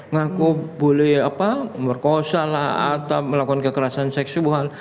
ngaku boleh apa berkosa lah atau melakukan kekerasan seksual